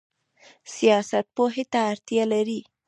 سیاست پوهې ته اړتیا لري؟